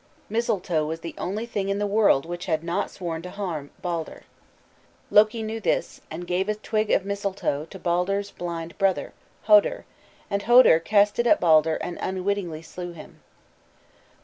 Mistletoe was the only thing in the world which had not sworn not to harm Baldur. Loki knew this, and gave a twig of mistletoe to Baldur's blind brother, Hodur, and Hodur cast it at Baldur and "unwitting slew" him.